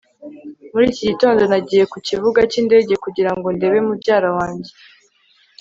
muri iki gitondo, nagiye ku kibuga cy'indege kugira ngo ndebe mubyara wanjye